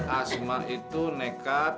asma itu nekat